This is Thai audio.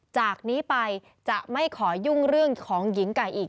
จากนี้ไปจะไม่ขอยุ่งเรื่องของหญิงไก่อีก